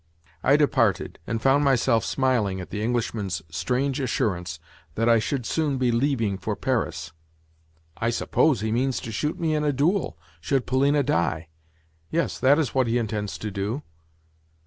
I departed, and found myself smiling at the Englishman's strange assurance that I should soon be leaving for Paris. "I suppose he means to shoot me in a duel, should Polina die. Yes, that is what he intends to do."